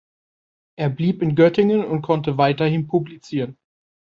Er blieb in Göttingen und konnte weiterhin publizieren.